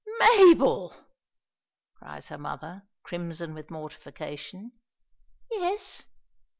"Mabel!" cries her mother, crimson with mortification. "Yes?"